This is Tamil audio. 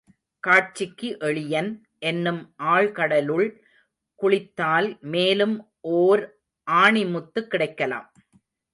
காட்சிக்கு எளியன் என்னும் ஆழ்கடலுள் குளித்தால் மேலும் ஓர் ஆணி முத்து கிடைக்கலாம்.